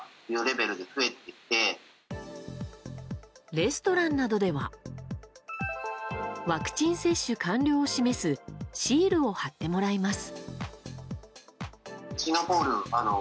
レストランなどではワクチン接種完了を示すシールを貼ってもらいます。